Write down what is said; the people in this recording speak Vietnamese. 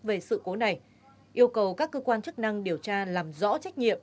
về sự cố này yêu cầu các cơ quan chức năng điều tra làm rõ trách nhiệm